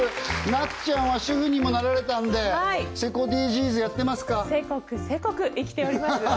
なっちゃんは主婦にもなられたんでセコＤＧｓやってますか？